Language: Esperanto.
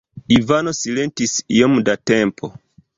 Ivano silentis iom da tempo.